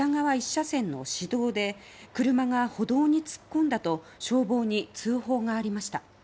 １車線の市道で車が歩道に突っ込んだと消防に通報がありました。